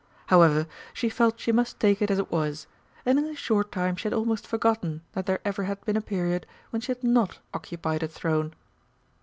However, she felt she must take it as it was, and in a short time she had almost forgotten that there ever had been a period when she had not occupied a throne.